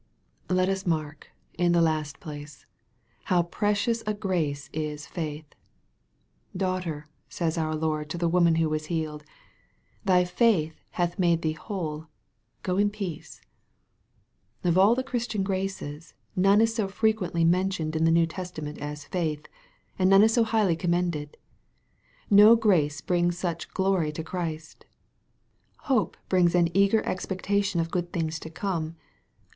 Let us mark, in the last place, how precious a grace is faith. " Daughter," says our Lord to the woman who was healed, " thy faith hath made thee whole : go in peace." Of all the Christian graces, none is so frequently men tioned in the New Testament as faith, and none is so highly commended. No grace brings such glory to Christ. Hope brings an eager expectation of good things to come.